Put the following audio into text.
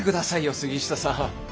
杉下さん。